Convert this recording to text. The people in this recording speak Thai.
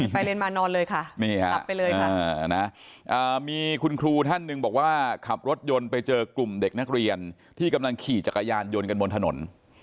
ไปเรียนมานอนเลยค่ะขับไปเลยค่ะมีคุณครูท่านหนึ่งบอกว่าขับรถยนต์ไปเจอกลุ่มเด็กนักเรียนที่กำลังขี่จักรยานยนต์กันบนถนน